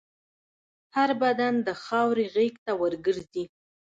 هر بدن د خاورې غېږ ته ورګرځي.